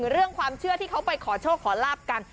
เรื่องความเชื่อที่เขาไปขอโชคขอลาบกัน